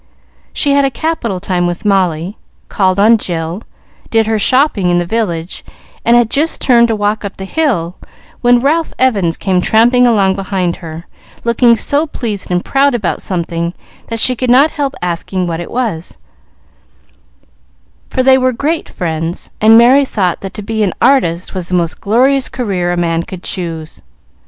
She had a capital time with Molly, called on Jill, did her shopping in the village, and had just turned to walk up the hill, when Ralph Evans came tramping along behind her, looking so pleased and proud about something that she could not help asking what it was, for they were great friends, and Merry thought that to be an artist was the most glorious career a man could choose.